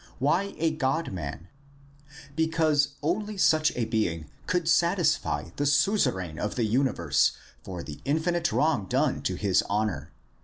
Why a God man ? Because only such a being could satisfy the Suzerain of the Universe for the infinite wrong done to his honor.